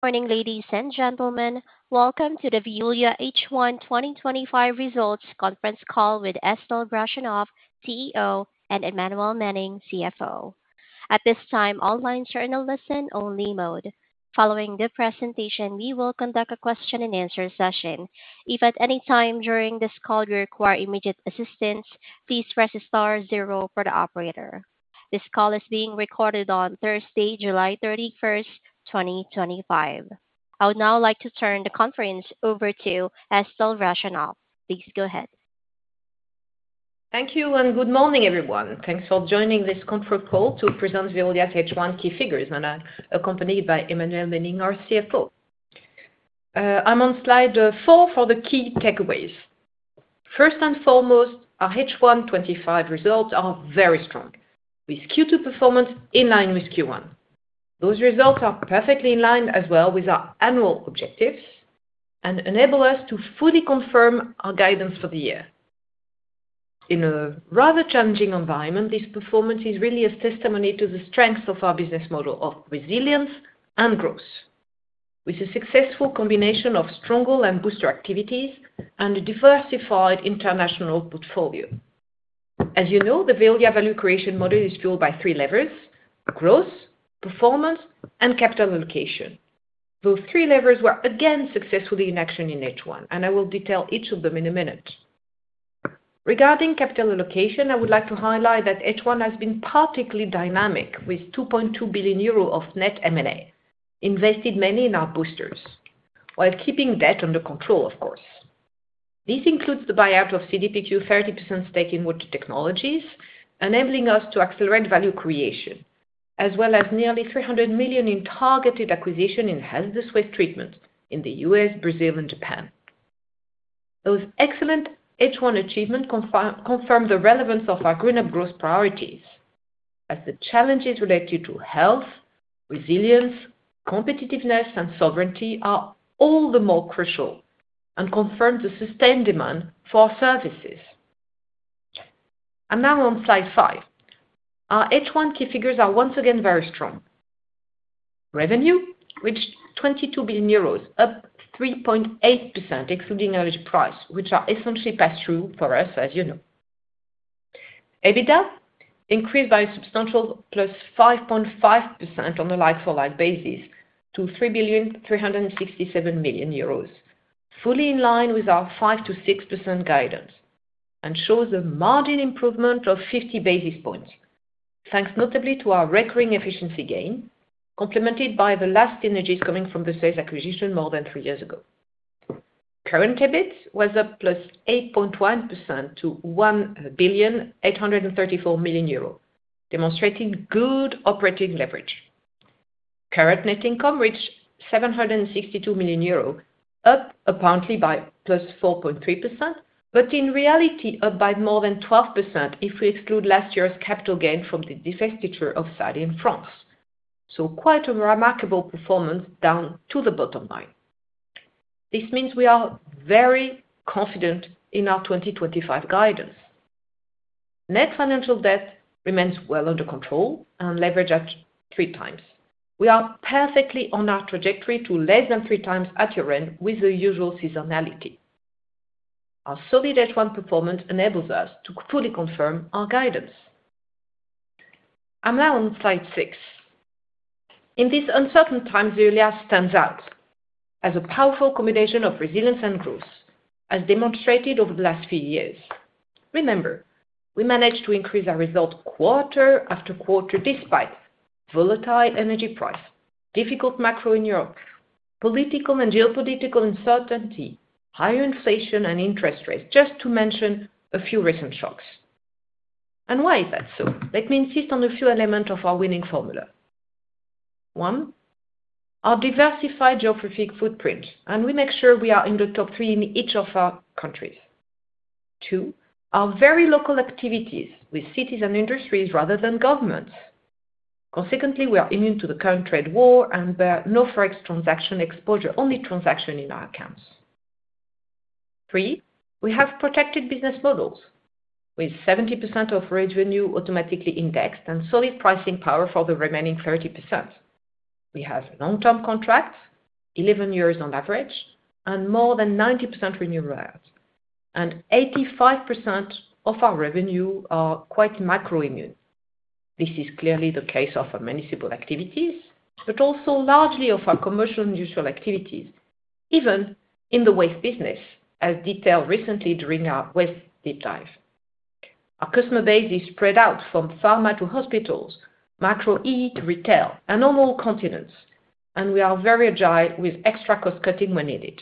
Good morning, ladies and gentlemen. Welcome to the Veolia H1 2025 Results Conference call with Estelle Brachlianoff, CEO, and Emmanuelle Menning, CFO. At this time, all lines are in a listen-only mode. Following the presentation, we will conduct a question-and-answer session. If at any time during this call you require immediate assistance, please press star zero for the operator. This call is being recorded on Thursday, July 31, 2025. I would now like to turn the conference over to Estelle Brachlianoff. Please go ahead. Thank you, and good morning, everyone. Thanks for joining this conference call to present Veolia H1 key figures, and I'm accompanied by Emmanuelle Menning, our CFO. I'm on slide four for the key takeaways. First and foremost, our H1 2025 results are very strong, with Q2 performance in line with Q1. Those results are perfectly in line as well with our annual objectives and enable us to fully confirm our guidance for the year. In a rather challenging environment, this performance is really a testimony to the strength of our business model of resilience and growth, with a successful combination of stronger and booster activities and a diversified international portfolio. As you know, the Veolia value creation model is fueled by three levers: growth, performance, and capital allocation. Those three levers were again successfully in action in H1, and I will detail each of them in a minute. Regarding capital allocation, I would like to highlight that H1 has been particularly dynamic, with 2.2 billion euro of net M&A invested mainly in our boosters, while keeping debt under control, of course. This includes the buyout of CDPQ 30% stake in Water Technologies, enabling us to accelerate value creation, as well as nearly 300 million in targeted acquisition in hazardous waste treatment in the U.S., Brazil, and Japan. Those excellent H1 achievements confirm the relevance of our GreenUp growth priorities, as the challenges related to health, resilience, competitiveness, and sovereignty are all the more crucial and confirm the sustained demand for our services. I'm now on slide five. Our H1 key figures are once again very strong. Revenue reached 22 billion euros, up 3.8% excluding average price, which are essentially pass-through for us, as you know. EBITDA increased by a substantial plus 5.5% on a like-for-like basis to 3.367 billion euros, fully in line with our 5% to 6% guidance, and shows a margin improvement of 50 basis points, thanks notably to our recurring efficiency gains, complemented by the last synergies coming from the Suez acquisition more than three years ago. Current EBIT was up plus 8.1% to 1.834 billion, demonstrating good operating leverage. Current net income reached 762 million euros, up apparently by plus 4.3%, but in reality, up by more than 12% if we exclude last year's capital gain from the divestiture of Saudia and France. Quite a remarkable performance down to the bottom line. This means we are very confident in our 2025 guidance. Net financial debt remains well under control and leveraged at 3x. We are perfectly on our trajectory to less than 3x at year-end with the usual seasonality. Our solid H1 performance enables us to fully confirm our guidance. I'm now on slide 6. In these uncertain times, Veolia stands out as a powerful combination of resilience and growth, as demonstrated over the last few years. Remember, we managed to increase our result quarter after quarter despite volatile energy prices, difficult macro in Europe, political and geopolitical uncertainty, higher inflation, and interest rates, just to mention a few recent shocks. Why is that so? Let me insist on a few elements of our winning formula. One, our diversified geographic footprint, and we make sure we are in the top three in each of our countries. Two, our very local activities with cities and industries rather than governments. Consequently, we are immune to the current trade war and bear no foreign exchange transaction exposure, only transaction in our accounts. Three, we have protected business models with 70% of revenue automatically indexed and solid pricing power for the remaining 30%. We have long-term contracts, 11 years on average, and more than 90% renewables. 85% of our revenue are quite macro-immune. This is clearly the case of our municipal activities, but also largely of our commercial and usual activities, even in the waste business, as detailed recently during our waste deep dive. Our customer base is spread out from pharma to hospitals, Macro-E to retail, and on all continents, and we are very agile with extra cost-cutting when needed.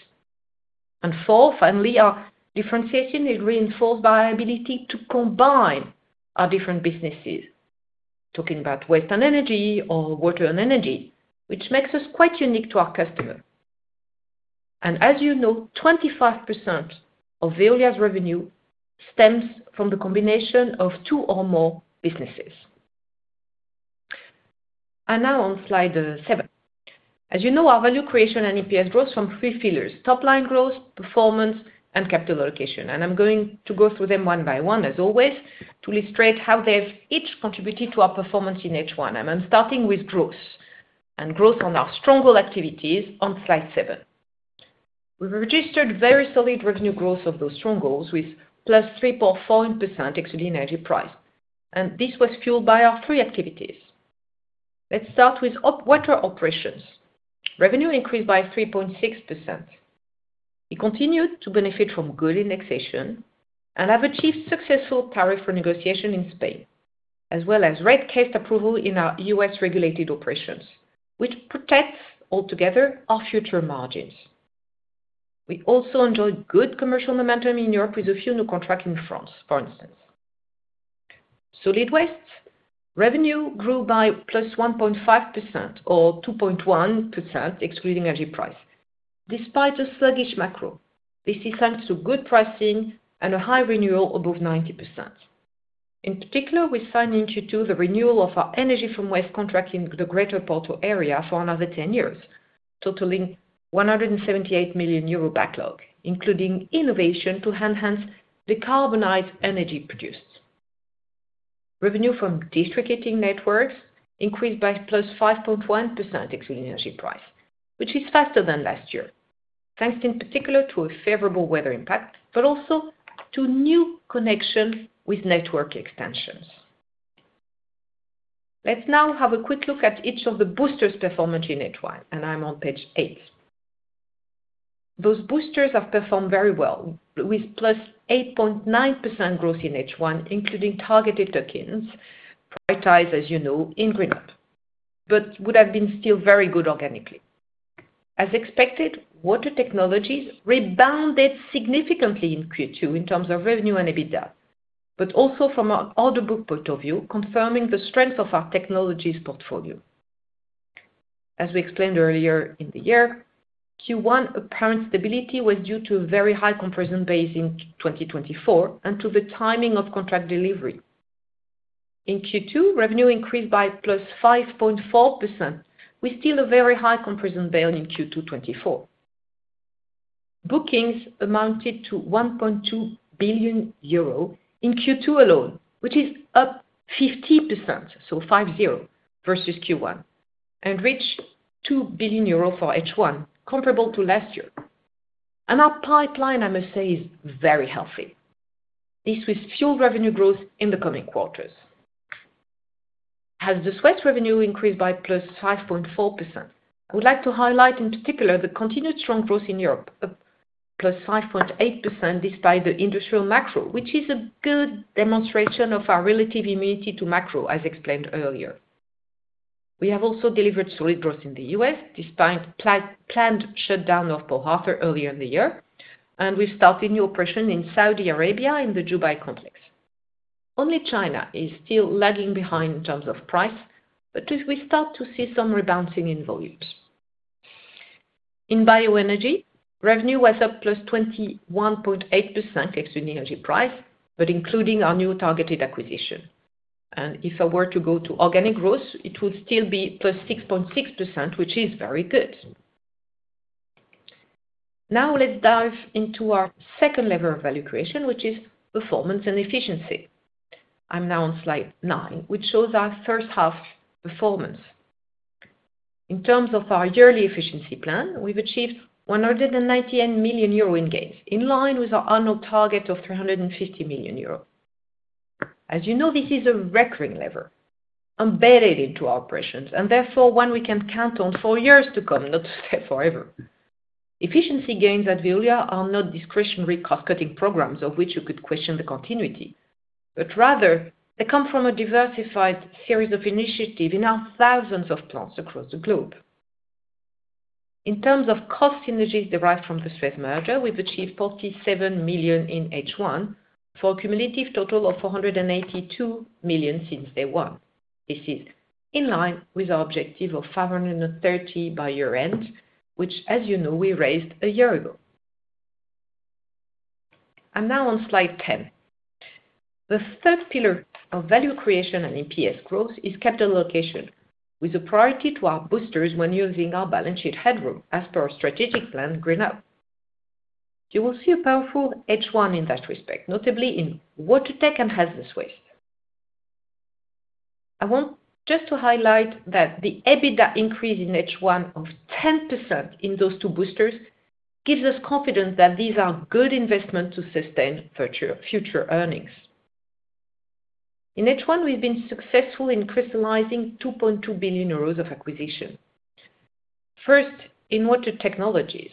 Four, finally, our differentiation is reinforced by our ability to combine our different businesses, talking about waste and energy or water and energy, which makes us quite unique to our customer. As you know, 25% of Veolia's revenue stems from the combination of two or more businesses. I'm now on slide 7. As you know, our value creation and EPS growth from three pillars: top-line growth, performance, and capital allocation. I'm going to go through them one by one, as always, to illustrate how they've each contributed to our performance in H1. I'm starting with growth and growth on our stronger activities on slide 7. We've registered very solid revenue growth of those strong goals with plus 3.4% excluding energy price, and this was fueled by our three activities. Let's start with water operations. Revenue increased by 3.6%. We continued to benefit from good indexation and have achieved successful tariff renegotiation in Spain, as well as rate-case approval in our U.S.-regulated operations, which protects altogether our future margins. We also enjoy good commercial momentum in Europe with a few new contracts in France, for instance. Solid waste revenue grew by +1.5% or 2.1% excluding energy price, despite a sluggish macro. This is thanks to good pricing and a high renewal above 90%. In particular, we signed into the renewal of our energy-from-waste contract in the Greater Porto area for another 10 years, totaling 178 million euro backlog, including innovation to enhance decarbonized energy produced. Revenue from district heating networks increased by +5.1% excluding energy price, which is faster than last year, thanks in particular to a favorable weather impact, but also to new connections with network extensions. Let's now have a quick look at each of the boosters' performance in H1, and I'm on page eight. Those boosters have performed very well with +8.9% growth in H1, including targeted tokens, prioritized, as you know, in GreenUp, but would have been still very good organically. As expected, water technologies rebounded significantly in Q2 in terms of revenue and EBITDA, but also from an order book point of view, confirming the strength of our technologies portfolio. As we explained earlier in the year, Q1 apparent stability was due to a very high comparison base in 2024 and to the timing of contract delivery. In Q2, revenue increased by +5.4% with still a very high comparison base in Q2 2023. Bookings amounted to 1.2 billion euro in Q2 alone, which is up 50%, so 5-0 versus Q1, and reached 2 billion euros for H1, comparable to last year. Our pipeline, I must say, is very healthy. This will fuel revenue growth in the coming quarters. As the waste revenue increased by +5.4%, I would like to highlight in particular the continued strong growth in Europe, up +5.8% despite the industrial macro, which is a good demonstration of our relative immunity to macro, as explained earlier. We have also delivered solid growth in the U.S. despite planned shutdown of Paul Harper earlier in the year, and we've started new operations in Saudi Arabia in the Dubai complex. Only China is still lagging behind in terms of price, but we start to see some rebounding in volumes. In bioenergy, revenue was up +21.8% excluding energy price, but including our new targeted acquisition. If I were to go to organic growth, it would still be +6.6%, which is very good. Now let's dive into our second lever of value creation, which is performance and efficiency. I'm now on slide nine, which shows our first half performance. In terms of our yearly efficiency plan, we've achieved 198 million euro in gains, in line with our annual target of 350 million euro. As you know, this is a recurring lever embedded into our operations, and therefore one we can count on for years to come, not to say forever. Efficiency gains at Veolia are not discretionary cost-cutting programs, of which you could question the continuity, but rather they come from a diversified series of initiatives in our thousands of plants across the globe. In terms of cost synergies derived from the SUEZ merger, we've achieved 47 million in H1 for a cumulative total of 482 million since day one. This is in line with our objective of 530 million by year-end, which, as you know, we raised a year ago. I'm now on slide 10. The third pillar of value creation and EPS growth is capital allocation, with a priority to our boosters when using our balance sheet headroom, as per our strategic plan, GreenUp. You will see a powerful H1 in that respect, notably in water tech and hazardous waste. I want just to highlight that the EBITDA increase in H1 of 10% in those two boosters gives us confidence that these are good investments to sustain future earnings. In H1, we've been successful in crystallizing 2.2 billion euros of acquisition. First, in water technologies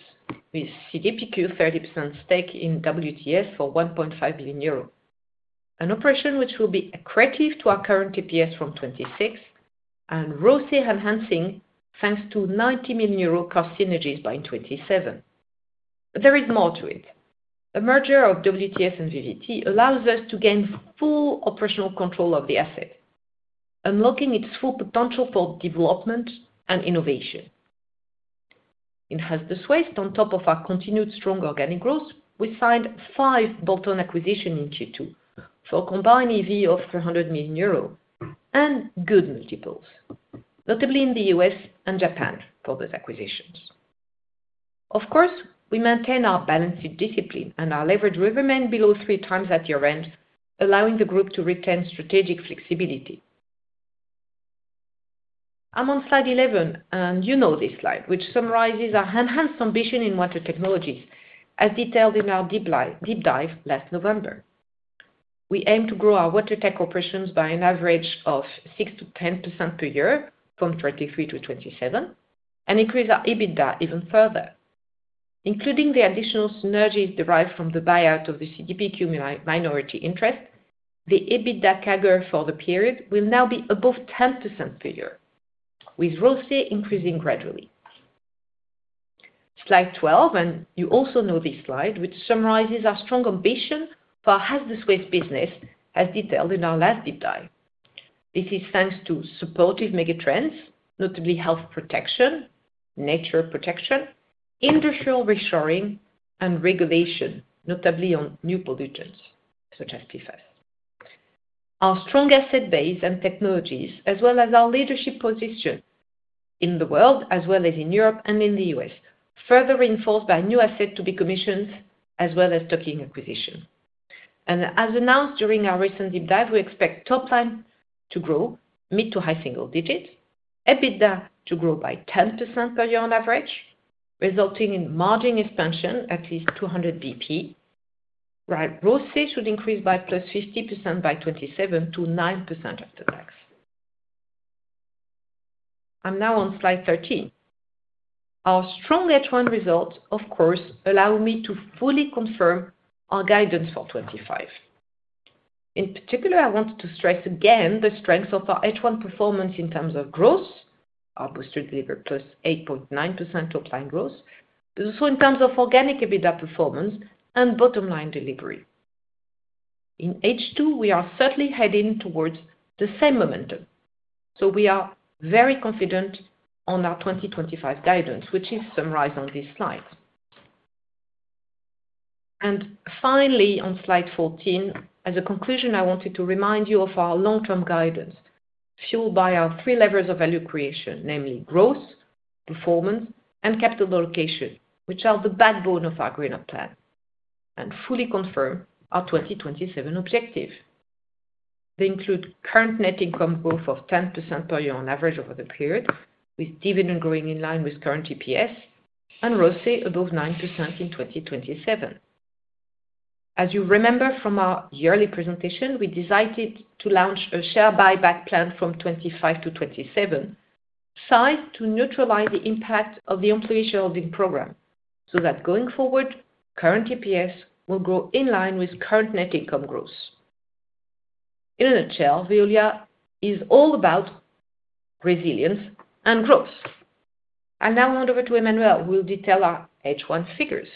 with CDPQ 30% stake in WTS for 1.5 billion euro, an operation which will be accretive to our current EPS from 2026 and rosy enhancing thanks to 90 million euro cost synergies by 2027. There is more to it. The merger of WTS and VVT allows us to gain full operational control of the asset, unlocking its full potential for development and innovation. In hazardous waste, on top of our continued strong organic growth, we signed five bolt-on acquisitions in Q2 for a combined EV of 300 million euro and good multiples, notably in the U.S. and Japan for those acquisitions. Of course, we maintain our balance sheet discipline and our leverage will remain below 3x at year-end, allowing the group to retain strategic flexibility. I'm on slide 11, and you know this slide, which summarizes our enhanced ambition in water technologies, as detailed in our deep dive last November. We aim to grow our water tech operations by an average of 6% to 10% per year from 2023 to 2027 and increase our EBITDA even further. Including the additional synergies derived from the buyout of the CDPQ minority interest, the EBITDA CAGR for the period will now be above 10% per year, with ROCE increasing gradually. Slide 12, and you also know this slide, which summarizes our strong ambition for hazardous waste business, as detailed in our last deep dive. This is thanks to supportive megatrends, notably health protection, nature protection, industrial reshoring, and regulation, notably on new pollutants such as PFAS. Our strong asset base and technologies, as well as our leadership position in the world, as well as in Europe and in the U.S., further reinforced by new assets to be commissioned as well as bolt-on acquisition. As announced during our recent deep dive, we expect top-line to grow mid to high single digits, EBITDA to grow by 10% per year on average, resulting in margin expansion at least 200 bps. Right ROCE should increase by plus 50% by 2027 to 9% after tax. I'm now on slide 13. Our strong H1 results, of course, allow me to fully confirm our guidance for 2025. In particular, I want to stress again the strength of our H1 performance in terms of growth. Our booster delivered plus 8.9% top-line growth, but also in terms of organic EBITDA performance and bottom-line delivery. In H2, we are certainly heading towards the same momentum. We are very confident on our 2025 guidance, which is summarized on this slide. Finally, on slide 14, as a conclusion, I wanted to remind you of our long-term guidance fueled by our three levers of value creation, namely growth, performance, and capital allocation, which are the backbone of our GreenUp plan and fully confirm our 2027 objective. They include current net income growth of 10% per year on average over the period, with dividend growing in line with current EPS and ROCE above 9% in 2027. As you remember from our yearly presentation, we decided to launch a share buyback plan from 2025 to 2027, sized to neutralize the impact of the employee shareholding program so that going forward, current EPS will grow in line with current net income growth. In a nutshell, Veolia is all about resilience and growth. I now hand over to Emmanuelle, who will detail our H1 figures.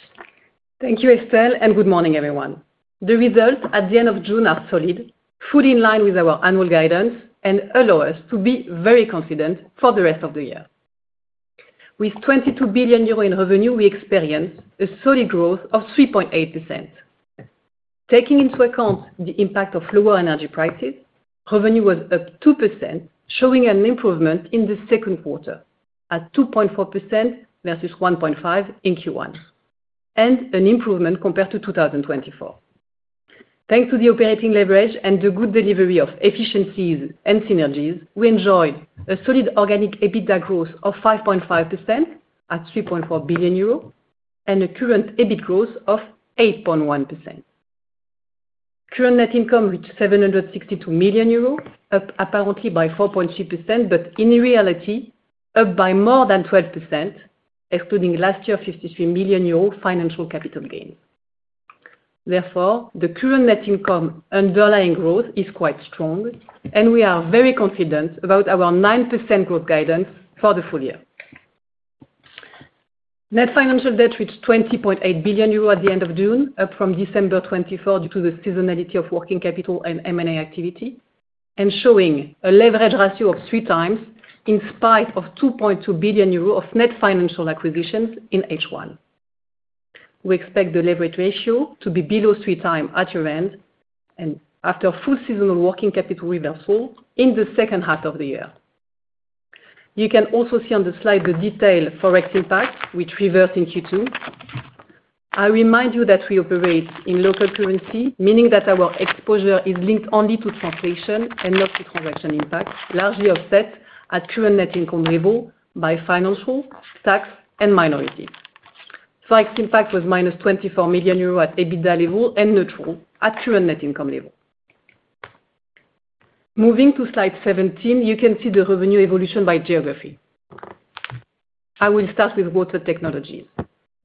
Thank you, Estelle, and good morning, everyone. The results at the end of June are solid, fully in line with our annual guidance, and allow us to be very confident for the rest of the year. With 22 billion euros in revenue, we experienced a solid growth of 3.8%. Taking into account the impact of lower energy prices, revenue was up 2%, showing an improvement in the second quarter at 2.4% versus 1.5% in Q1, and an improvement compared to 2024. Thanks to the operating leverage and the good delivery of efficiencies and synergies, we enjoyed a solid organic EBITDA growth of 5.5% at 3.4 billion euro and a current EBIT growth of 8.1%. Current net income reached 762 million euros, up apparently by 4.3%, but in reality, up by more than 12%, excluding last year's 53 million euro financial capital gains. Therefore, the current net income underlying growth is quite strong, and we are very confident about our 9% growth guidance for the full year. Net financial debt reached 20.8 billion euro at the end of June, up from December 2023 due to the seasonality of working capital and M&A activity, and showing a leverage ratio of 3x in spite of 2.2 billion euros of net financial acquisitions in H1. We expect the leverage ratio to be below 3x at year-end and after a full seasonal working capital reversal in the second half of the year. You can also see on the slide the detailed forex impact, which reversed in Q2. I remind you that we operate in local currency, meaning that our exposure is linked only to translation and not to transaction impact, largely offset at current net income level by financial, tax, and minority. Forex impact was 24 million euros at EBITDA level and neutral at current net income level. Moving to slide 17, you can see the revenue evolution by geography. I will start with water technologies.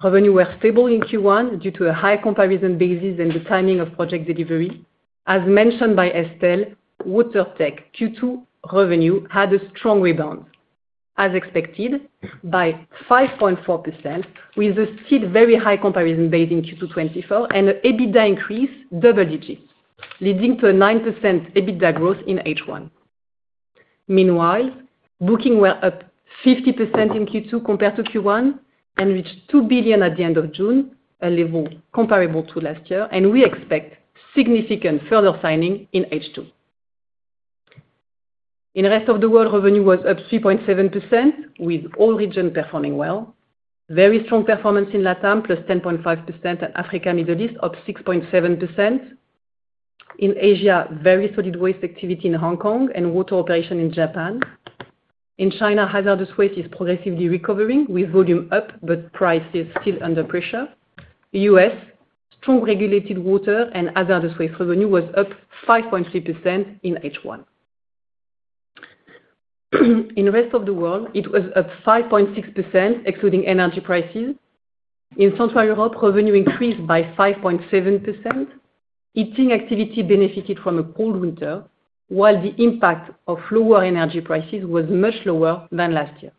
Revenue was stable in Q1 due to a high comparison basis and the timing of project delivery. As mentioned by Estelle, water tech Q2 revenue had a strong rebound, as expected, by 5.4%, with a still very high comparison base in Q2 2024 and an EBITDA increase double digits, leading to a 9% EBITDA growth in H1. Meanwhile, bookings were up 50% in Q2 compared to Q1 and reached 2 billion at the end of June, a level comparable to last year, and we expect significant further signing in H2. In the rest of the world, revenue was up 3.7%, with all regions performing well. Very strong performance in LATAM, plus 10.5%, and Africa and Middle East, up 6.7%. In Asia, very solid waste activity in Hong Kong and water operation in Japan. In China, hazardous waste is progressively recovering with volume up, but price is still under pressure. In the U.S., strong regulated water and hazardous waste revenue was up 5.3% in H1. In the rest of the world, it was up 5.6%, excluding energy prices. In Central Europe, revenue increased by 5.7%. Heating activity benefited from a cold winter, while the impact of lower energy prices was much lower than last year.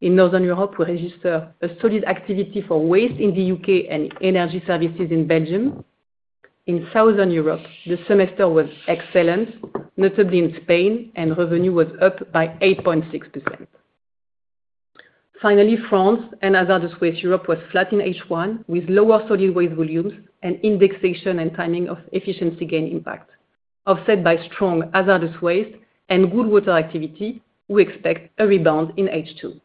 In Northern Europe, we registered a solid activity for waste in the U.K. and energy services in Belgium. In Southern Europe, the semester was excellent, notably in Spain, and revenue was up by 8.6%. Finally, France and hazardous waste Europe were flat in H1, with lower solid waste volumes and indexation and timing of efficiency gain impact. Offset by strong hazardous waste and good water activity, we expect a rebound in H2.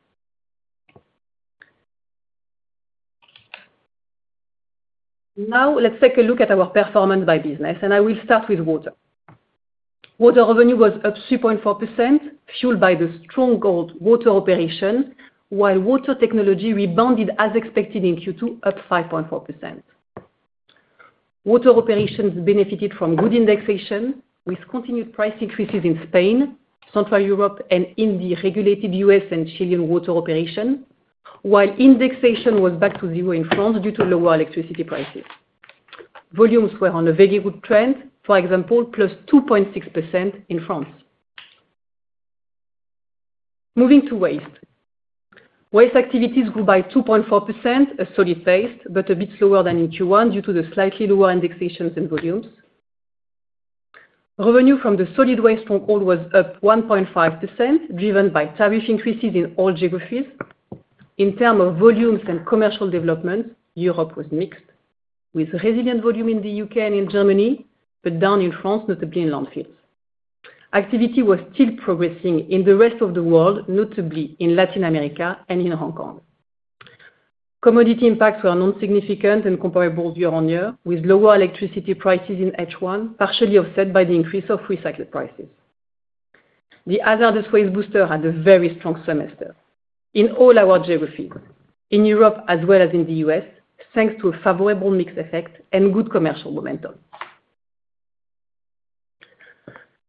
Now, let's take a look at our performance by business, and I will start with water. Water revenue was up 3.4%, fueled by the strong gold water operation, while water technology rebounded as expected in Q2, up 5.4%. Water operations benefited from good indexation, with continued price increases in Spain, Central Europe, and in the regulated U.S. and Chilean water operation, while indexation was back to zero in France due to lower electricity prices. Volumes were on a very good trend, for example, plus 2.6% in France. Moving to waste. Waste activities grew by 2.4%, a solid phase, but a bit slower than in Q1 due to the slightly lower indexations and volumes. Revenue from the solid waste from gold was up 1.5%, driven by tariff increases in all geographies. In terms of volumes and commercial development, Europe was mixed, with resilient volume in the U.K. and in Germany, but down in France, notably in landfills. Activity was still progressing in the rest of the world, notably in Latin America and in Hong Kong. Commodity impacts were non-significant and comparable year-on-year, with lower electricity prices in H1, partially offset by the increase of recycled prices. The hazardous waste booster had a very strong semester in all our geographies, in Europe as well as in the U.S., thanks to a favorable mixed effect and good commercial momentum.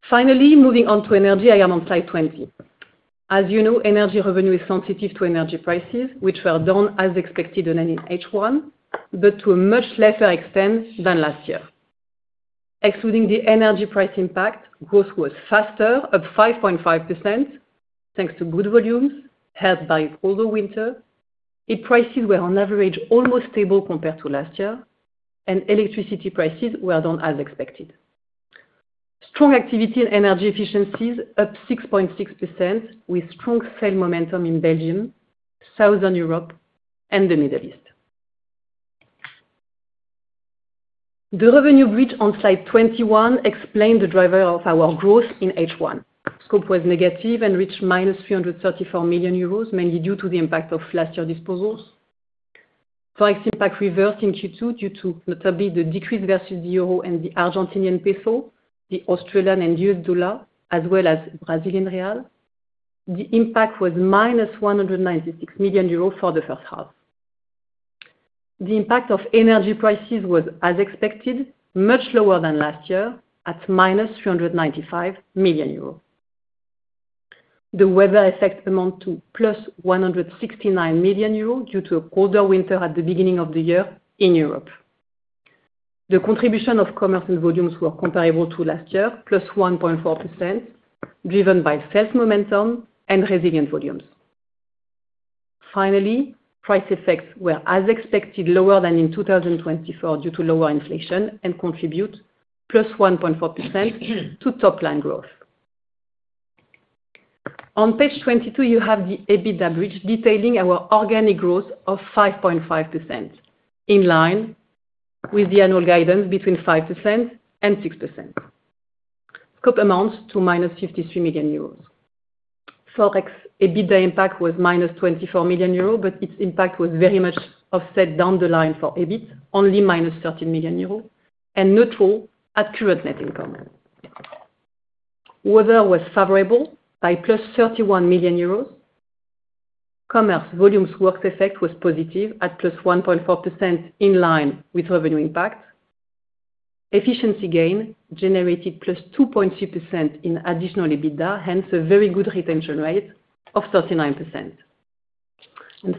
Finally, moving on to energy, I am on slide 20. As you know, energy revenue is sensitive to energy prices, which were down as expected and in H1, but to a much lesser extent than last year. Excluding the energy price impact, growth was faster, up 5.5%, thanks to good volumes, held by all the winter. Prices were on average almost stable compared to last year, and electricity prices were down as expected. Strong activity and energy efficiencies up 6.6%, with strong sale momentum in Belgium, Southern Europe, and the Middle East. The revenue bridge on slide 21 explained the driver of our growth in H1. Scope was negative and reached 334 million euros, mainly due to the impact of last year's disposals. Forex impact reversed in Q2 due to notably the decrease versus the euro and the Argentinian peso, the Australian and U.S. dollar, as well as the Brazilian real. The impact was 196 million euros for the first half. The impact of energy prices was, as expected, much lower than last year, at minus 395 million euros. The weather effect amounted to plus 169 million euros due to a colder winter at the beginning of the year in Europe. The contribution of commerce and volumes were comparable to last year, plus 1.4%, driven by sales momentum and resilient volumes. Finally, price effects were, as expected, lower than in 2024 due to lower inflation and contribute plus 1.4% to top-line growth. On page 22, you have the EBITDA bridge detailing our organic growth of 5.5%, in line with the annual guidance between 5% and 6%. Scope amounts to minus 53 million euros. Forex EBITDA impact was minus 24 million euros, but its impact was very much offset down the line for EBIT, only minus 13 million euros, and neutral at current net income. Weather was favorable by plus 31 million euros. Commerce volumes work effect was positive at plus 1.4%, in line with revenue impact. Efficiency gain generated plus 2.3% in additional EBITDA, hence a very good retention rate of 39%.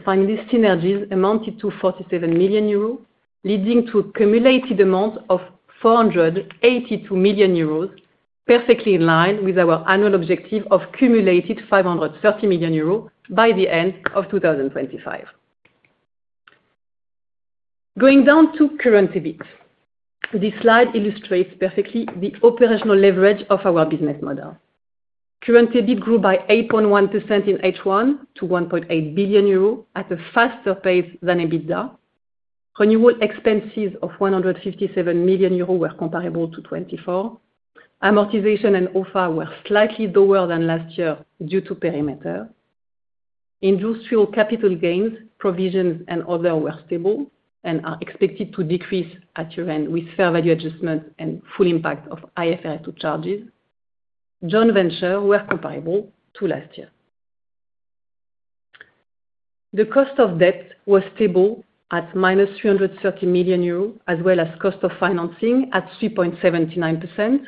Finally, synergies amounted to 47 million euros, leading to a cumulated amount of 482 million euros, perfectly in line with our annual objective of cumulated 530 million euros by the end of 2025. Going down to current EBIT, this slide illustrates perfectly the operational leverage of our business model. Current EBIT grew by 8.1% in H1 to 1.8 billion euros at a faster pace than EBITDA. Renewal expenses of 157 million euros were comparable to 2024. Amortization and OFA were slightly lower than last year due to perimeter. Industrial capital gains, provisions, and other were stable and are expected to decrease at year-end with fair value adjustment and full impact of IFRS 2 charges. Joint ventures were comparable to last year. The cost of debt was stable at minus 330 million euros, as well as cost of financing at 3.79%.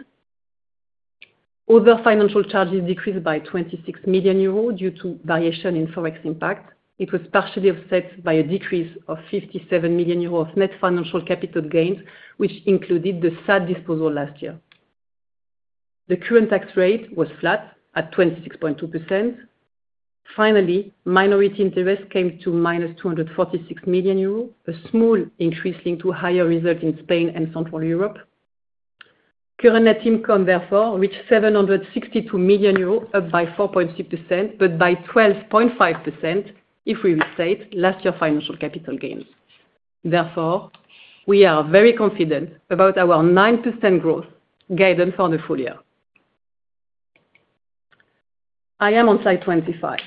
Other financial charges decreased by 26 million euros due to variation in forex impacts. It was partially offset by a decrease of 57 million euros of net financial capital gains, which included the SAD disposal last year. The current tax rate was flat at 26.2%. Finally, minority interest came to minus 246 million euros, a small increase linked to higher results in Spain and Central Europe. Current net income, therefore, reached 762 million euros, up by 4.3%, but by 12.5% if we restate last year's financial capital gains. Therefore, we are very confident about our 9% growth guidance for the full year. I am on slide 25.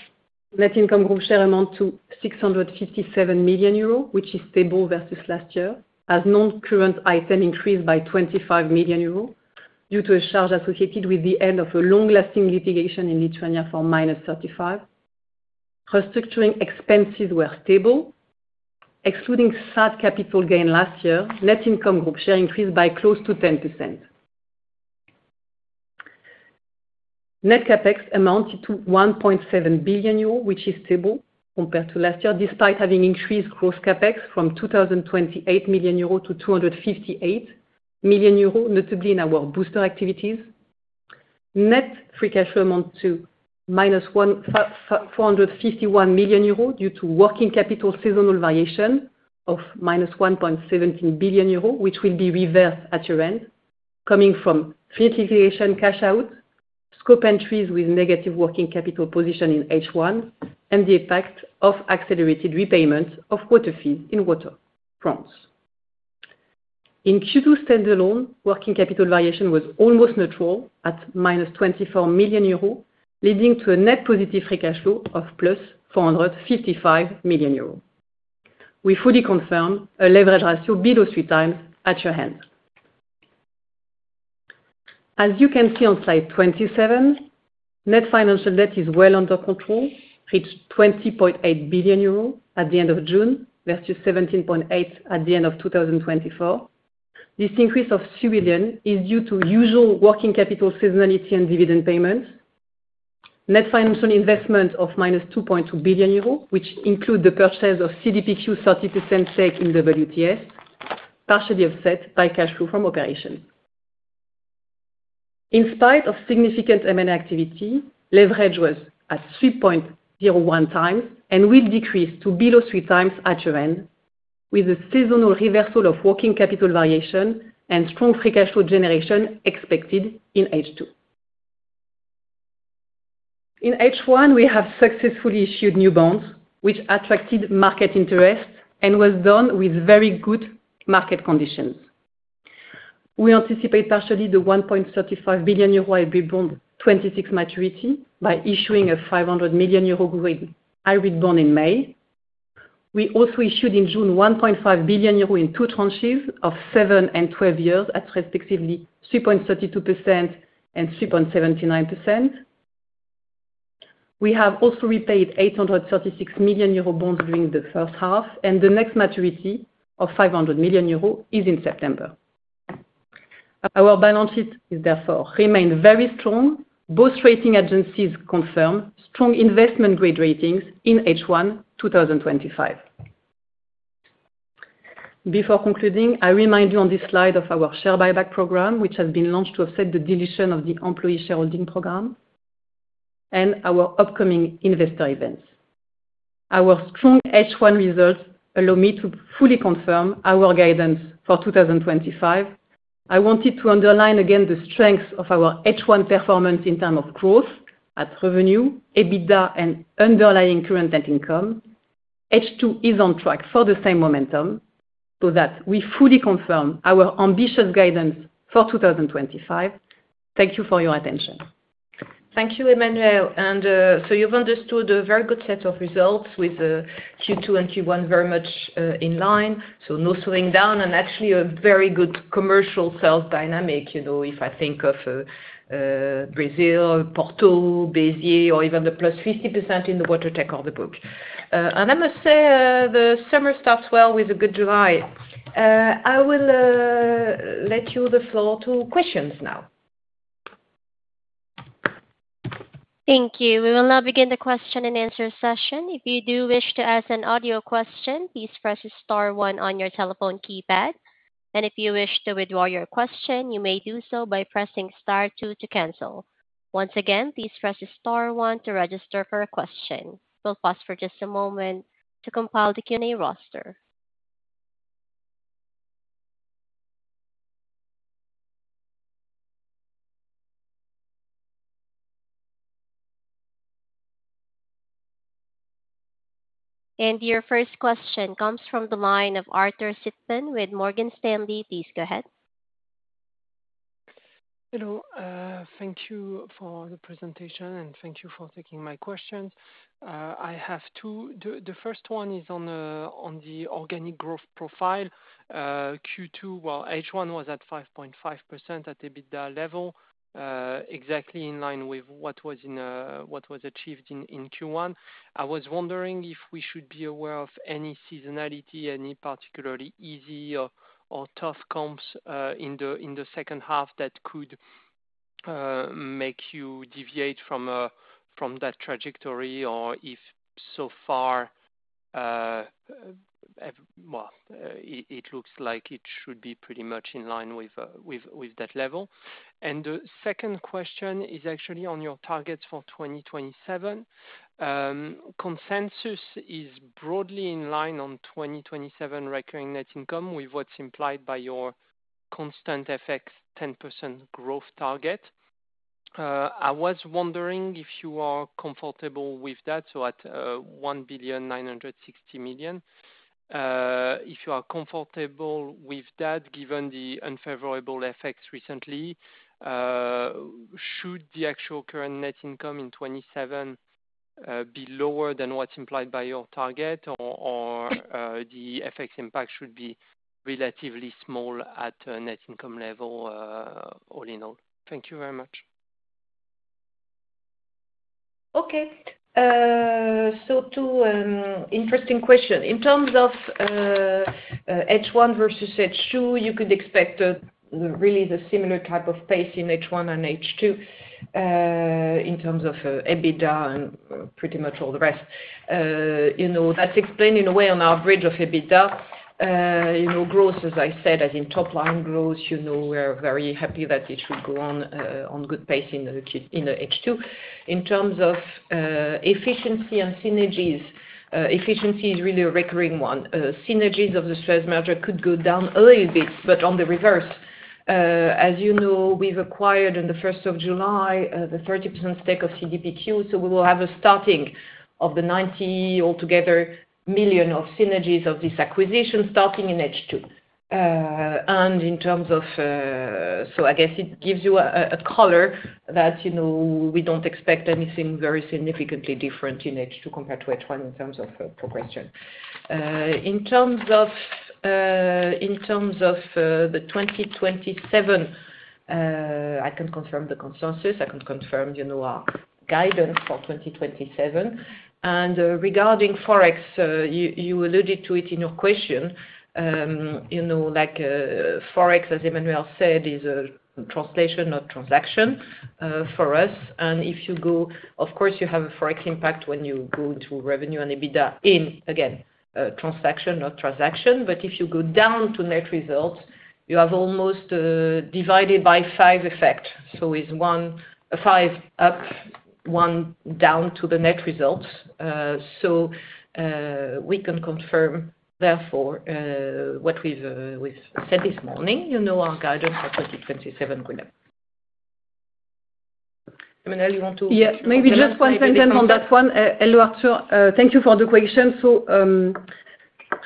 Net income group share amounted to 657 million euros, which is stable versus last year, as non-current items increased by 25 million euros due to a charge associated with the end of a long-lasting litigation in Lithuania for minus 35 million. Restructuring expenses were stable. Excluding SAD capital gain last year, net income group share increased by close to 10%. Net CapEx amounted to 1.7 billion euro, which is stable compared to last year, despite having increased gross CapEx from 228 million euro to 258 million euro, notably in our booster activities. Net free cash flow amounted to minus 451 million euros due to working capital seasonal variation of minus 1.17 billion euros, which will be reversed at year-end, coming from free litigation cash-out, scope entries with negative working capital position in H1, and the effect of accelerated repayment of water fees in water, France. In Q2 standalone, working capital variation was almost neutral at minus 24 million euros, leading to a net positive free cash flow of 455 million euros. We fully confirm a leverage ratio below 3x at year-end. As you can see on slide 27, net financial debt is well under control, reached 20.8 billion euros at the end of June versus 17.8 billion at the end of 2024. This increase of 2 billion is due to usual working capital seasonality and dividend payments. Net financial investment of minus 2.2 billion euros, which includes the purchase of CDPQ 30% stake in WTS, partially offset by cash flow from operations. In spite of significant M&A activity, leverage was at 3.01x and will decrease to below 3x at year-end, with a seasonal reversal of working capital variation and strong free cash flow generation expected in H2. In H1, we have successfully issued new bonds, which attracted market interest and was done with very good market conditions. We anticipate partially the 1.35 billion euro rebond 26 maturity by issuing a 500 million euro Green IRIB bond in May. We also issued in June 1.5 billion euro in two tranches of 7 and 12 years at respectively 3.32% and 3.79%. We have also repaid 836 million euro bonds during the first half, and the next maturity of 500 million euro is in September. Our balance sheet, therefore, remains very strong. Both rating agencies confirm strong investment-grade ratings in H1 2025. Before concluding, I remind you on this slide of our share buyback program, which has been launched to offset the deletion of the employee shareholding program, and our upcoming investor events. Our strong H1 results allow me to fully confirm our guidance for 2025. I wanted to underline again the strengths of our H1 performance in terms of growth at revenue, EBITDA, and underlying current net income. H2 is on track for the same momentum, so that we fully confirm our ambitious guidance for 2025. Thank you for your attention. Thank you, Emmanuelle. You have understood a very good set of results with Q2 and Q1 very much in line. No slowing down and actually a very good commercial sales dynamic. If I think of Brazil, Porto, Béziers, or even the plus 50% in the water tank of the book. I must say the summer starts well with a good July. I will let you the floor to questions now. Thank you. We will now begin the question and answer session. If you do wish to ask an audio question, please press star one on your telephone keypad. If you wish to withdraw your question, you may do so by pressing star two to cancel. Once again, please press star one to register for a question. We'll pause for just a moment to compile the Q&A roster. Your first question comes from the line of Arthur Sitbon with Morgan Stanley. Please go ahead. Hello. Thank you for the presentation, and thank you for taking my questions. I have two. The first one is on the organic growth profile. Q2, H1 was at 5.5% at EBITDA level, exactly in line with what was achieved in Q1. I was wondering if we should be aware of any seasonality, any particularly easy or tough comps in the second half that could make you deviate from that trajectory, or if so far it looks like it should be pretty much in line with that level. The second question is actually on your targets for 2027. Consensus is broadly in line on 2027 recurring net income with what's implied by your constant FX 10% growth target. I was wondering if you are comfortable with that, so at 1.960 billion. If you are comfortable with that, given the unfavorable effects recently. Should the actual current net income in 2027 be lower than what's implied by your target, or the FX impact should be relatively small at net income level. All in all, thank you very much. Okay. Two interesting questions. In terms of H1 versus H2, you could expect really the similar type of pace in H1 and H2 in terms of EBITDA and pretty much all the rest. That's explained in a way on our bridge of EBITDA. Growth, as I said, as in top-line growth, we are very happy that it should go on good pace in H2. In terms of efficiency and synergies, efficiency is really a recurring one. Synergies of the Suez Merger could go down a little bit, but on the reverse, as you know, we've acquired on the 1st of July the 30% stake of CDPQ, so we will have a starting of the $90 million altogether of synergies of this acquisition starting in H2. And in terms of I guess it gives you a color that we don't expect anything very significantly different in H2 compared to H1 in terms of progression. In terms of the 2027, I can confirm the consensus. I can confirm our guidance for 2027. Regarding Forex, you alluded to it in your question. Forex, as Emmanuelle said, is a translation, not transaction, for us. Of course, you have a Forex impact when you go into revenue and EBITDA, in, again, translation, not transaction. If you go down to net results, you have almost divided by five effect. It's one five up, one down to the net results. We can confirm, therefore, what we've said this morning, our guidance for 2027 will—Emmanuelle, you want to? Yeah, maybe just one sentence on that one. Hello, Arthur. Thank you for the question.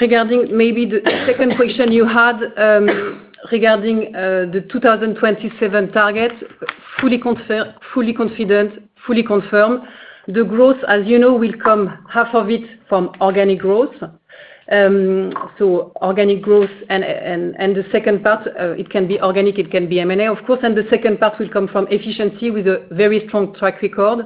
Regarding maybe the second question you had regarding the 2027 target, fully confident, fully confirmed, the growth, as you know, will come half of it from organic growth. Organic growth and the second part, it can be organic, it can be M&A, of course. The second part will come from efficiency with a very strong track record.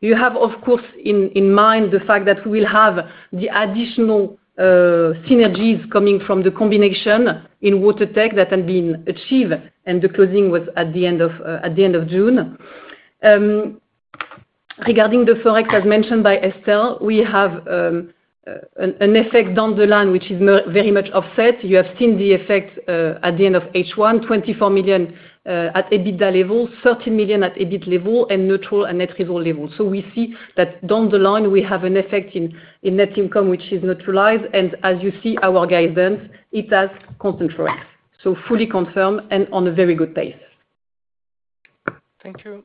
You have, of course, in mind the fact that we will have the additional synergies coming from the combination in water technologies that had been achieved, and the closing was at the end of June. Regarding the Forex, as mentioned by Estelle, we have an effect down the line which is very much offset. You have seen the effect at the end of H1, 24 million. At EBITDA level, 13 million at EBIT level, and neutral at net result level. We see that down the line, we have an effect in net income which is neutralized. As you see our guidance, it has constant growth. Fully confirmed and on a very good pace. Thank you.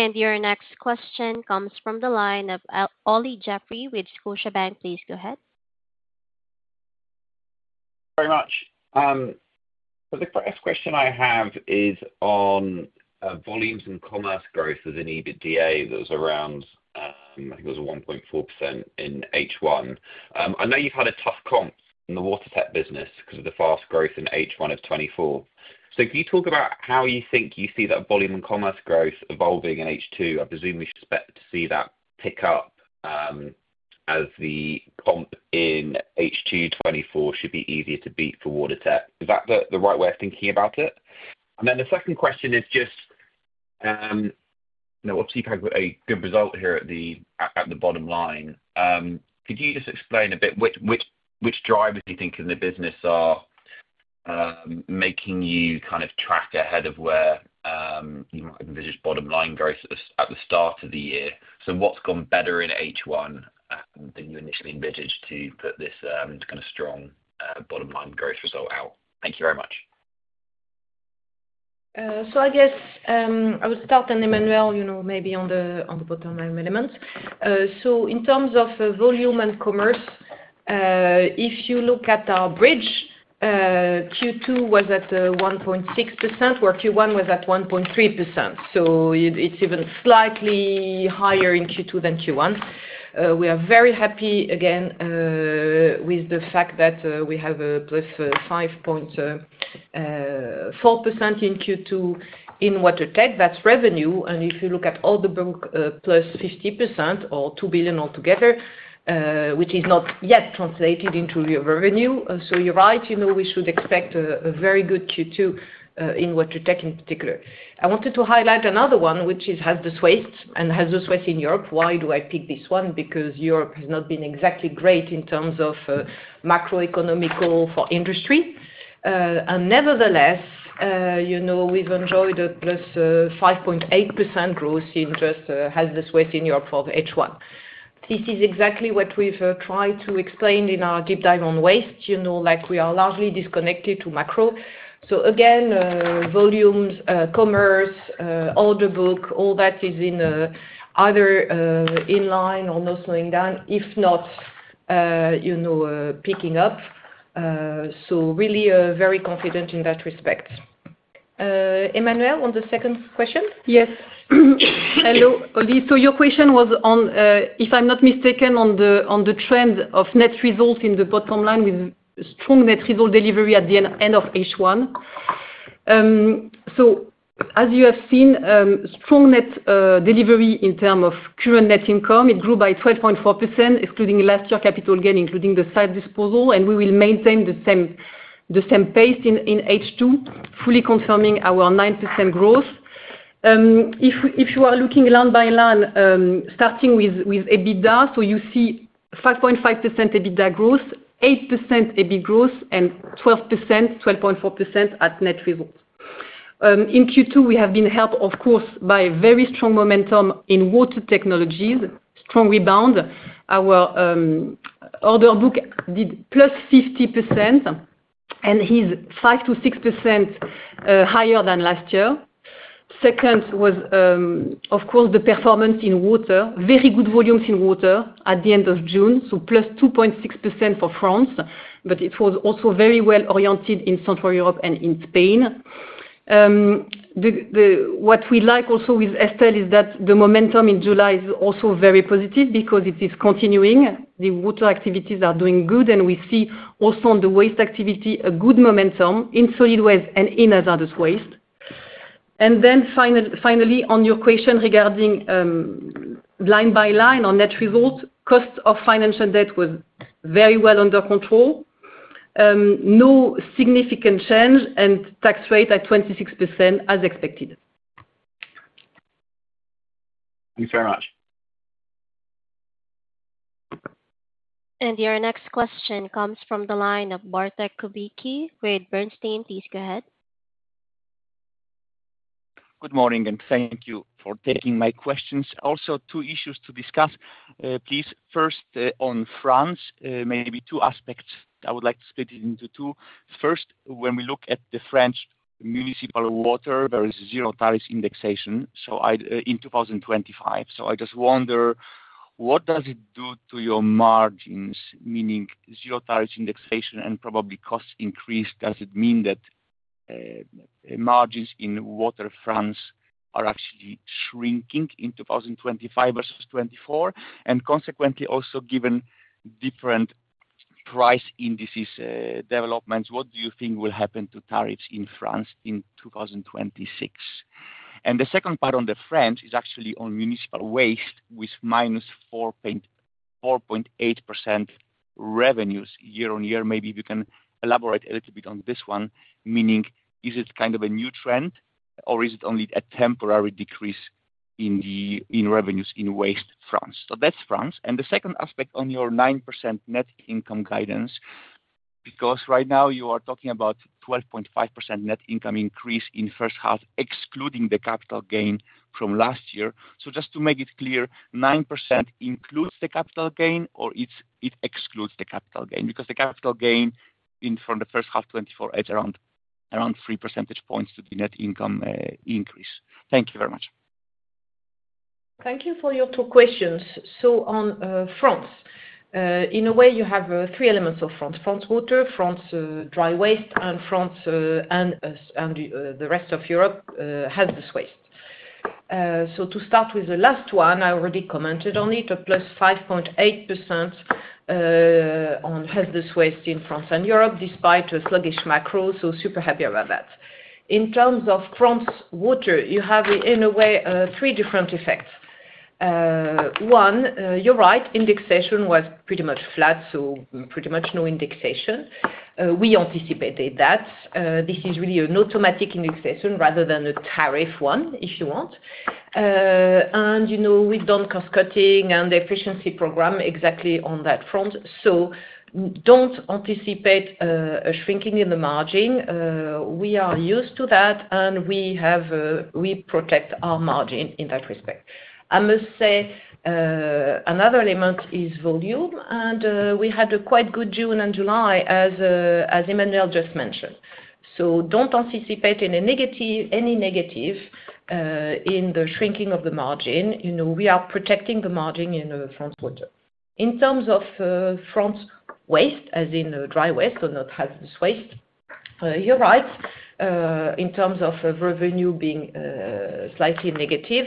Your next question comes from the line of Olly Jeffery with Deutsche Bank. Please go ahead. Thank you very much. The first question I have is on volumes and commerce growth as an EBITDA that was around, I think it was 1.4% in H1. I know you've had a tough comp in the water tech business because of the fast growth in H1 of 2024. Can you talk about how you think you see that volume and commerce growth evolving in H2? I presume we should expect to see that pick up, as the comp in H2 2024 should be easier to beat for water tech. Is that the right way of thinking about it? The second question is just, obviously, you've had a good result here at the bottom line. Could you just explain a bit which drivers you think in the business are making you kind of track ahead of where you might envisage bottom-line growth at the start of the year? What's gone better in H1 than you initially envisaged to put this kind of strong bottom-line growth result out? Thank you very much. I guess I will start, and Emmanuelle, maybe on the bottom-line elements. In terms of volume and commerce, if you look at our bridge, Q2 was at 1.6%, where Q1 was at 1.3%. It's even slightly higher in Q2 than Q1. We are very happy, again, with the fact that we have a plus 5.4% in Q2 in water tech. That's revenue. If you look at all the plus 50% or 2 billion altogether, which is not yet translated into real revenue. You're right, we should expect a very good Q2 in water techn in particular. I wanted to highlight another one, which has the hazardous waste and has the hazardous waste in Europe. Why do I pick this one? Because Europe has not been exactly great in terms of macroeconomical for industry. Nevertheless, we've enjoyed a plus 5.8% growth in just hazardous waste in Europe for H1. This is exactly what we've tried to explain in our deep dive on waste. We are largely disconnected to macro. Again, volumes, commerce, order book, all that is in either in line or not slowing down, if not picking up. Really very confident in that respect. Emmanuelle, on the second question? Yes. Hello, Olly. Your question was on, if I'm not mistaken, on the trend of net result in the bottom line with strong net result delivery at the end of H1. As you have seen, strong net delivery in terms of current net income, it grew by 12.4%, excluding last year capital gain, including the side disposal. We will maintain the same pace in H2, fully confirming our 9% growth. If you are looking line by line, starting with EBITDA, you see 5.5% EBITDA growth, 8% EBIT growth, and 12.4% at net result. In Q2, we have been helped, of course, by very strong momentum in water technologies, strong rebound. Our order book did plus 50% and is 5 to 6% higher than last year. Second was, of course, the performance in water, very good volumes in water at the end of June, so plus 2.6% for France. It was also very well oriented in Central Europe and in Spain. What we like also with Estelle is that the momentum in July is also very positive because it is continuing. The water activities are doing good, and we see also on the waste activity a good momentum in solid waste and in hazardous waste. Finally, on your question regarding line by line on net result, cost of financial debt was very well under control. No significant change and tax rate at 26% as expected. Thank you very much. Your next question comes from the line of Bartlomiej Kubicki with Bernstein. Please go ahead. Good morning, and thank you for taking my questions. Also, two issues to discuss. Please. First, on France, maybe two aspects I would like to split it into two. First, when we look at the French municipal water, there is zero tariffs indexation in 2025. I just wonder, what does it do to your margins, meaning zero tariffs indexation and probably cost increase? Does it mean that margins in water France are actually shrinking in 2025 versus 2024? Consequently, also given different price indices developments, what do you think will happen to tariffs in France in 2026? The second part on the French is actually on municipal waste with minus 4.8% revenues year on year. Maybe you can elaborate a little bit on this one, meaning is it kind of a new trend, or is it only a temporary decrease in revenues in waste France? That's France. The second aspect on your 9% net income guidance. Because right now you are talking about 12.5% net income increase in first half, excluding the capital gain from last year. Just to make it clear, 9% includes the capital gain, or it excludes the capital gain? Because the capital gain from the first half 2024 adds around 3 percentage points to the net income increase. Thank you very much. Thank you for your two questions. On France, in a way, you have three elements of France: France water, France dry waste, and France. The rest of Europe has this waste. To start with the last one, I already commented on it, a plus 5.8% on hazardous waste in France and Europe despite a sluggish macro. Super happy about that. In terms of France water, you have, in a way, three different effects. One, you're right, indexation was pretty much flat, so pretty much no indexation. We anticipated that. This is really an automatic indexation rather than a tariff one, if you want. We've done cost-cutting and efficiency program exactly on that front. Don't anticipate a shrinking in the margin. We are used to that, and we protect our margin in that respect. I must say, another element is volume, and we had a quite good June and July, as Emmanuelle just mentioned. Don't anticipate any negative in the shrinking of the margin. We are protecting the margin in France water. In terms of France waste, as in dry waste or not hazardous waste, you're right. In terms of revenue being slightly negative,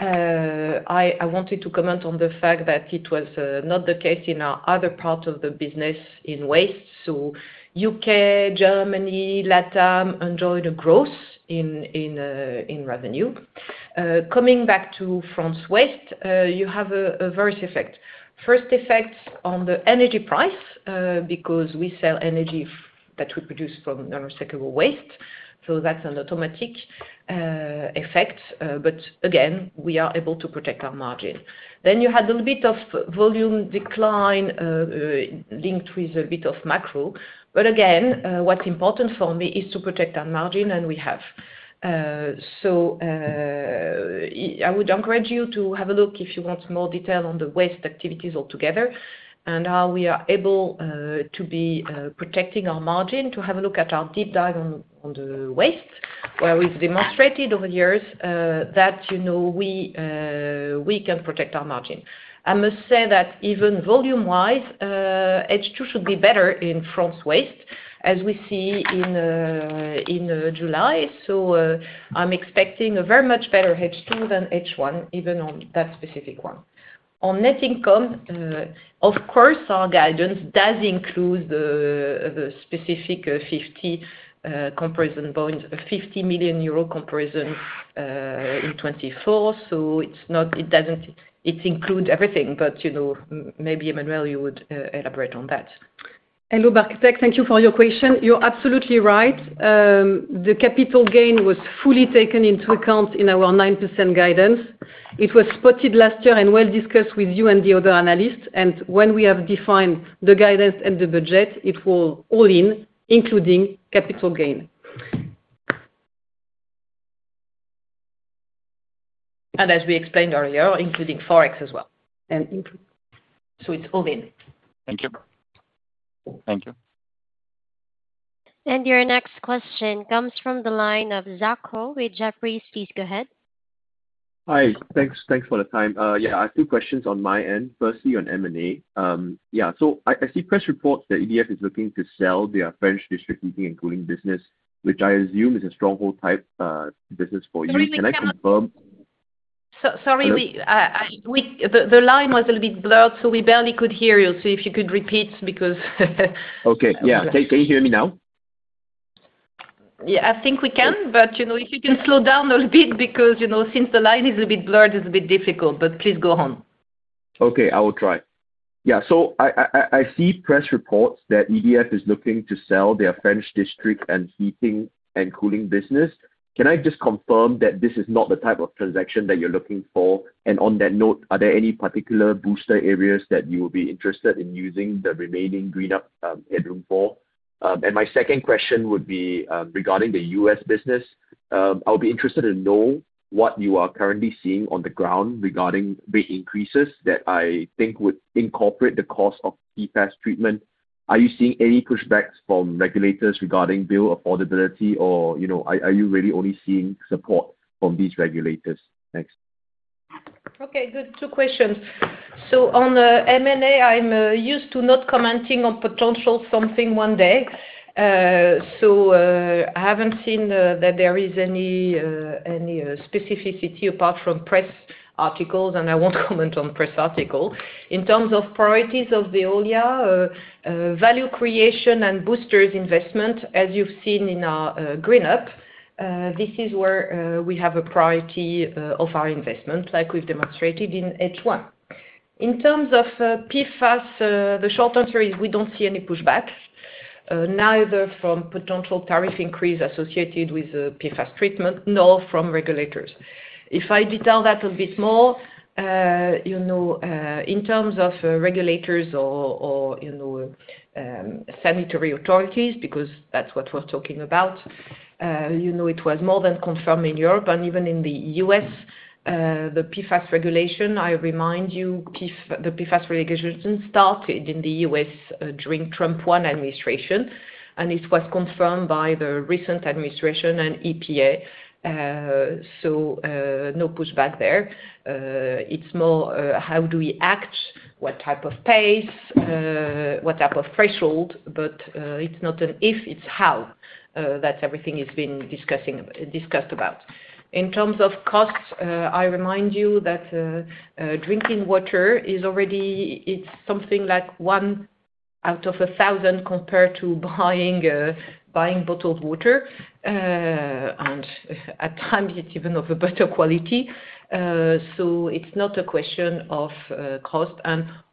I wanted to comment on the fact that it was not the case in our other part of the business in waste. U.K., Germany, LATAM enjoyed a growth in revenue. Coming back to France waste, you have various effects. First effect on the energy price because we sell energy that we produce from non-recyclable waste. That's an automatic effect. Again, we are able to protect our margin. Then you had a little bit of volume decline linked with a bit of macro. Again, what's important for me is to protect our margin, and we have. I would encourage you to have a look if you want more detail on the waste activities altogether and how we are able to be protecting our margin. Have a look at our deep dive on the waste, where we've demonstrated over the years that we can protect our margin. I must say that even volume-wise, H2 should be better in France waste, as we see in July. I'm expecting a very much better H2 than H1, even on that specific one. On net income, of course, our guidance does include the specific 50 comparison points, EUR 50 million comparison in 2024. It doesn't include everything. Maybe, Emmanuelle, you would elaborate on that. Hello, Bart. Thank you for your question. You're absolutely right. The capital gain was fully taken into account in our 9% guidance. It was spotted last year and well discussed with you and the other analysts. When we defined the guidance and the budget, it was all in, including capital gain. As we explained earlier, including Forex as well. It's all in. Thank you. Thank you. Your next question comes from the line of Zach Ho with Jefferies. Please go ahead. Hi. Thanks for the time. I have two questions on my end, firstly on M&A. I see press reports that EDF is looking to sell their French district heating and cooling business, which I assume is a stronghold type business for you. Can I confirm? Sorry. The line was a little bit blurred, so we barely could hear you. If you could repeat because. Okay. Can you hear me now? I think we can. If you can slow down a little bit because since the line is a little bit blurred, it's a bit difficult. Please go on. Okay. I will try. I see press reports that EDF is looking to sell their French district heating and cooling business. Can I just confirm that this is not the type of transaction that you're looking for? On that note, are there any particular booster areas that you would be interested in using the remaining GreenUp headroom for? My second question would be regarding the U.S. business. I would be interested to know what you are currently seeing on the ground regarding rate increases that I think would incorporate the cost of PFAS treatment. Are you seeing any pushbacks from regulators regarding bill affordability, or are you really only seeing support from these regulators? Thanks. Good. Two questions. On the M&A, I'm used to not commenting on potential something one day. I haven't seen that there is any specificity apart from press articles, and I won't comment on press articles. In terms of priorities of Veolia, value creation and boosters investment, as you've seen in our GreenUp, this is where we have a priority of our investment, like we've demonstrated in H1. In terms of PFAS, the short answer is we don't see any pushbacks, neither from potential tariff increase associated with PFAS treatment nor from regulators. If I detail that a little bit more, in terms of regulators or sanitary authorities, because that's what we're talking about. It was more than confirmed in Europe and even in the U.S. The PFAS regulation, I remind you, the PFAS regulation started in the U.S. during Trump 1 administration, and it was confirmed by the recent administration and EPA. No pushback there. It's more how do we act, what type of pace, what type of threshold, but it's not an if, it's how that everything has been discussed about. In terms of costs, I remind you that drinking water is already, it's something like one out of a thousand compared to buying bottled water. At times, it's even of a better quality. It's not a question of cost.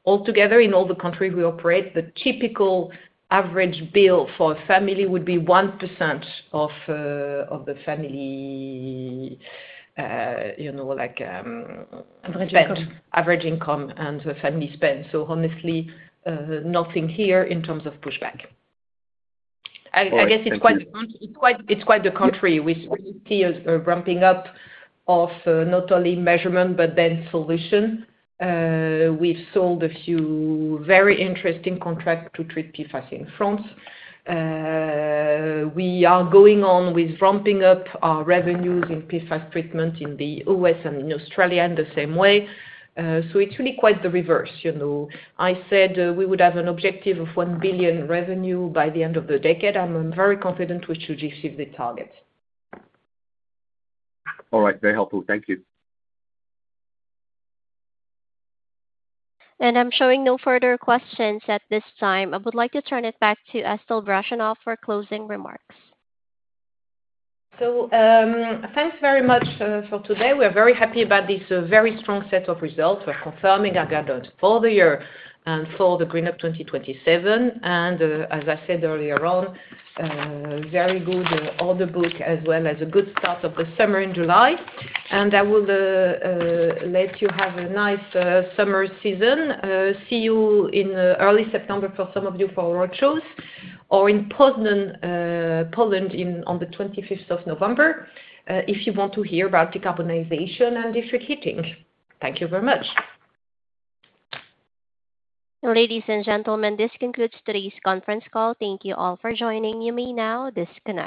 Altogether, in all the countries we operate, the typical average bill for a family would be 1% of the family average income and family spend. Honestly, nothing here in terms of pushback. I guess it's quite the country. We see a ramping up of not only measurement, but then solution. We've sold a few very interesting contracts to treat PFAS in France. We are going on with ramping up our revenues in PFAS treatment in the U.S. and in Australia in the same way. It's really quite the reverse. I said we would have an objective of $1 billion revenue by the end of the decade. I'm very confident we should achieve the target. All right. Very helpful. Thank you. I'm showing no further questions at this time. I would like to turn it back to Estelle Brachlianoff for closing remarks. Thanks very much for today. We are very happy about this very strong set of results. We're confirming our guidance for the year and for the GreenUp 2027. As I said earlier on, very good order book as well as a good start of the summer in July. I will let you have a nice summer season. See you in early September for some of you for roadshows or in Poland on the 25th of November if you want to hear about decarbonization and district heating. Thank you very much. Ladies and gentlemen, this concludes today's conference call. Thank you all for joining. You may now disconnect.